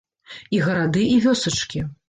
І гарады, і вёсачкі.